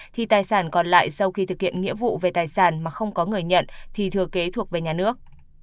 thì tài sản còn lại sau khi thực hiện nghĩa vụ về tài sản mà không có người nhận thì thừa kế thuộc về nhà nước